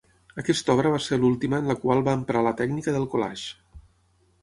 Aquesta obra va ser l'última en la qual va emprar la tècnica del collage.